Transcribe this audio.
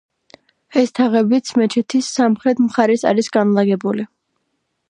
ეს თაღებიც მეჩეთის სამხრეთ მხარეს არის განლაგებული.